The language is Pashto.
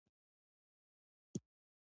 تاوتریخوالی اخلاقي برتري له منځه وړي.